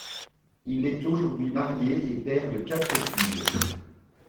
Il est aujourd’hui marié et père de quatre filles.